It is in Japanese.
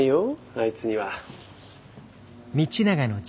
あいつには。